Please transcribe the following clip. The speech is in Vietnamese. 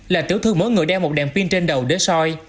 là tiểu thư mỗi người đeo một đèn pin trên đầu để soi